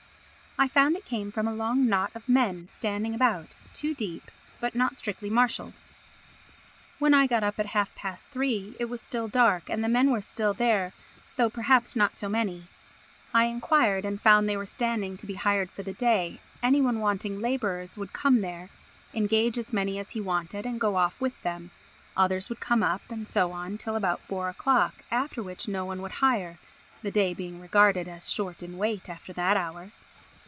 I found it came from a long knot of men standing about, two deep, but not strictly marshalled. When I got up at half past three, it was still dark and the men were still there, though perhaps not so many. I enquired and found they were standing to be hired for the day, any one wanting labourers would come there, engage as many as he wanted and go off with them, others would come up, and so on till about four o'clock, after which no one would hire, the day being regarded as short in weight after that hour.